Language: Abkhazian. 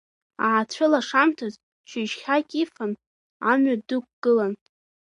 Аацәылашамҭаз шьыжьхьак ифан, амҩа дықәгылан.